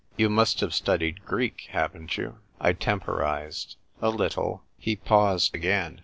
You must have studied Greek, haven't you ?" I temporised. " A little." He paused again.